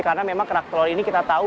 karena memang kerak telur ini kita tahu